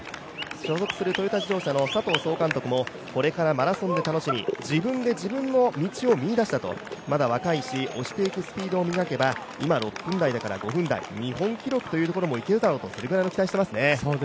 所属するトヨタ自動車の佐藤総監督もこれからマラソンで楽しみ、自分で自分の道を見いだしたとまだ若いし、押していくスピードを磨けば、今は６分台から、５分台日本記録というところもいけるだろうと、それぐらい期待していますね。